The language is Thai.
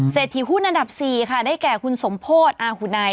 เสร็จถียวหุ้นอันดับสี่ค่ะได้แก่คุณสมโภตอาหุนัย